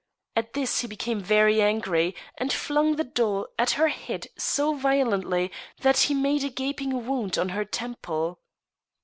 At this he became very angiy, and flung the doll at her' head so violently that he made a gaping wound on her temple.